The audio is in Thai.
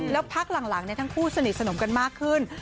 แล้วพักหลังทั้งคู่สนิทสนมกันมากขึ้น